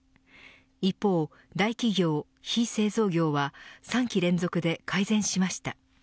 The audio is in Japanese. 一方、大企業、非製造業は３期連続で改善しました。